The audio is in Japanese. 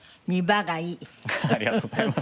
ありがとうございます。